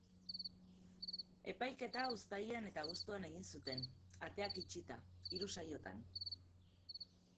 Epaiketa uztailean eta abuztuan egin zuten, ateak itxita, hiru saiotan.